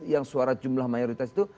yang suara jumlah mayoritas itu